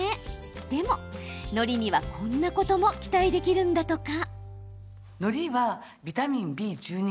でも、のりにはこんなことも期待できるんだとか。